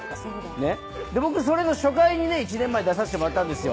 ねっ僕それの初回にね１年前出さしてもらったんですよ